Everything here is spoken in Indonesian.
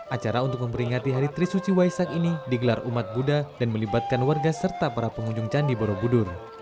acara untuk memperingati hari trisuci waisak ini digelar umat buddha dan melibatkan warga serta para pengunjung candi borobudur